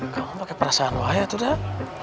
kamu pake perasaan lo ya tuh dah